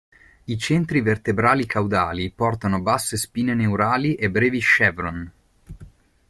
I centri vertebrali caudali portano basse spine neurali e brevi chevron.